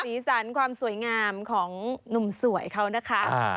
สีสันความสวยงามของหนุ่มสวยเขานะคะ